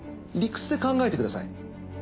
理屈で考えてください。